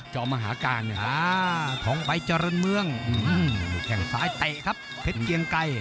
มหาการของใบเจริญเมืองแข่งซ้ายเตะครับเพชรเกียงไกร